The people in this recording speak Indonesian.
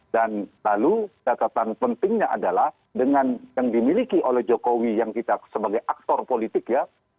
dan lalu catatan pentingnya adalah dengan yang dimiliki oleh jokowi yang kita sebagai aktor politik ya